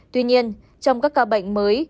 tuy nhiên trong các ca bệnh mới